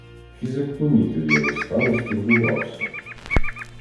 Фізик помітив його стан і стурбувався.